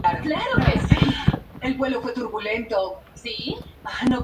Llevando su amor hasta la luna